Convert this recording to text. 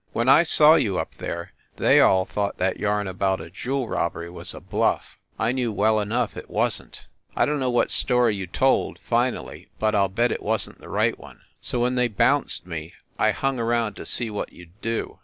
When I saw you up there they all thought that yarn about a jewel robbery was a bluff. I knew well enough it wasn t. I don t know what story you told, finally, but I ll bet it wasn t the right one. So when they bounced me, I hung around to see what you d do.